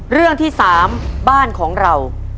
เรื่องที่๓บ้านของเรา